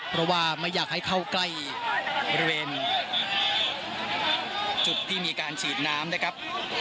เพราะว่าไม่อยากให้เข้าใกล้บริเวณจุดที่มีการฉีดน้ำนะครับ